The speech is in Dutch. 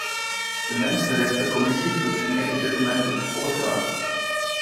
De mensenrechtencommissie functioneert op dit moment op volle kracht.